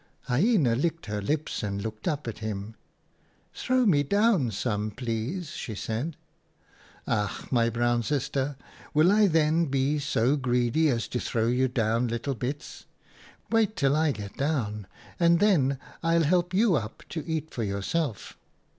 " Hyena licked her lips and looked up at him. "* Throw me down some, please,' she said. "■ Ach ! my Brown Sister, will I then be so greedy as to throw you down little bits ? Wait till I get down, and then I'll help you up to eat for yourself.